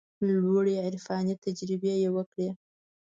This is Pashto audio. لوړې عرفاني تجربې وکړي.